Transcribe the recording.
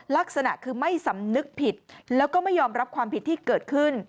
ลักษณะคือไม่สำนึกผิดแล้วก็ไม่ยอมรับความผิดที่เกิดขึ้น